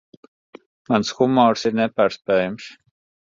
Mans humors ir nepārspējams.